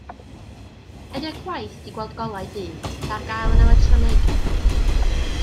Ydi'r gwaith 'di gweld golau dydd, ta ar gael yn electronig?